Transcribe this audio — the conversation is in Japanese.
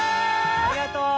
ありがとう！